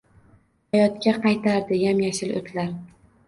Hayotga qaytardi yam-yashil o’tlar.